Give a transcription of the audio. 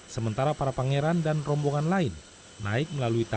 sementara para pangeran dan rombongan lain naik melalui tangan